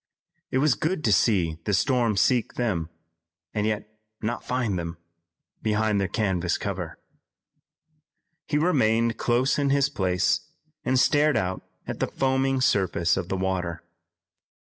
It was good to see the storm seek them, and yet not find them behind their canvas cover. He remained close in his place and stared out at the foaming surface of the water.